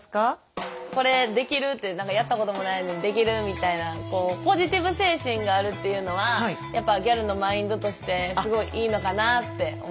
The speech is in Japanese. これできる？ってやったこともないのにできるみたいなポジティブ精神があるっていうのはやっぱギャルのマインドとしてすごいいいのかなって思います。